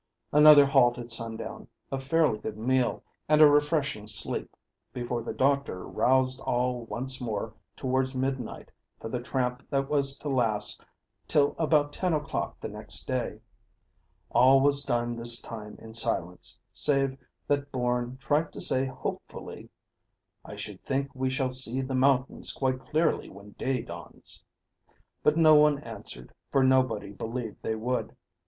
Another halt at sundown, a fairly good meal, and a refreshing sleep, before the doctor roused all once more towards midnight for the tramp that was to last till about ten o'clock the next day. All was done this time in silence, save that Bourne tried to say hopefully "I should think we shall see the mountains quite clearly when day dawns." But no one answered, for nobody believed they would.